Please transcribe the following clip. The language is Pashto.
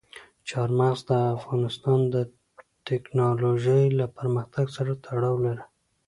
چار مغز د افغانستان د تکنالوژۍ له پرمختګ سره تړاو لري.